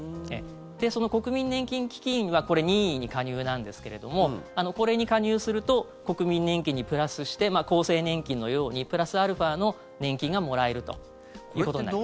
その国民年金基金は任意に加入なんですけれどもこれに加入すると国民年金にプラスして厚生年金のようにプラスアルファの年金がもらえるということになります。